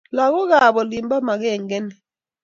Lagokab olinbo magengeni